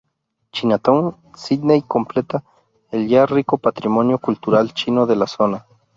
Chinatown, Sídney completa el ya rico patrimonio cultural chino de la zona.